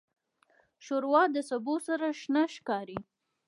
ښوروا د سبو سره شنه ښکاري.